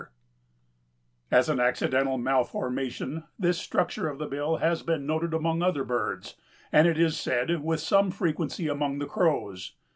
As an accidental malformation this structure of the bill has been noted among other birds, and, it is said, with some frequency among the crows.